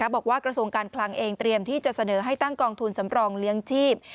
กระทรวงการคลังเองเตรียมที่จะเสนอให้ตั้งกองทุนสำรองเลี้ยงชีพ